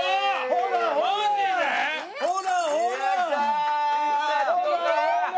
ほらほら！